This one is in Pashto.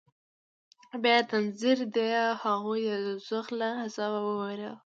بيا تنذير ديه هغوى د دوزخ له عذابه ووېروه.